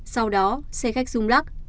sau đó xe khách rung lắc